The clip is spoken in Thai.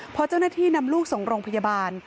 พอเจ้าหน้าที่นำลูกส่งโรงพยาบาล